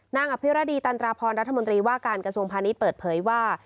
อภิรดีตันตราพรรัฐมนตรีว่าการกระทรวงพาณิชย์เปิดเผยว่า